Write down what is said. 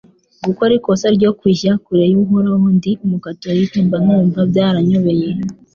gukora ikosa ryo kujya kure y'uhoraho ndi umu catholique mba numva byaranyobeye